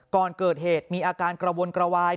ก่อนเกิดเหตุมีอาการกระวนกระวาย